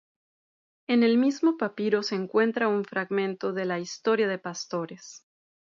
En el mismo papiro se encuentra un fragmento de la "Historia de pastores".